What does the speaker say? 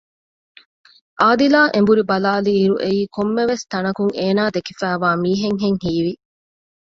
އާދިލާ އެނބުރި ބަލާލިއިރު އެއީ ކޮންމެވެސް ތަނަކުން އޭނާ ދެކެފައިވާ މީހެއްހެން ހީވި